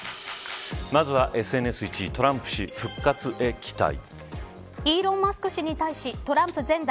まずはＳＮＳ、１位トランプ氏、復活へ期待。